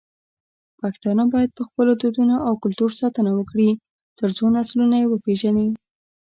پښتانه بايد په خپلو دودونو او کلتور ساتنه وکړي، ترڅو نسلونه يې وپېژني.